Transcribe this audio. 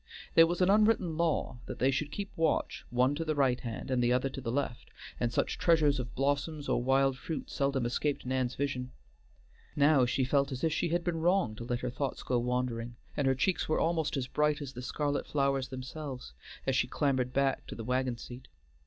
There was an unwritten law that they should keep watch, one to the right hand, and the other to the left, and such treasures of blossoms or wild fruit seldom escaped Nan's vision. Now she felt as if she had been wrong to let her thoughts go wandering, and her cheeks were almost as bright as the scarlet flowers themselves, as she clambered back to the wagon seat.